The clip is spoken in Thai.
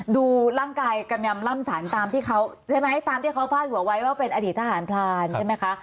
ดูร่างกายกำยำล่ำสารตามที่เขาใช่ไหมตามที่เขาพาดหัวไว้ว่าเป็นอดีตทหารพรานใช่ไหมคะ